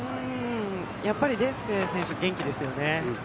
やっぱりデッセ選手、元気ですよね。